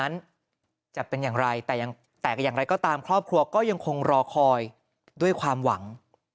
อะไรก็ตามครอบครัวก็ยังคงรอคอยด้วยความหวัง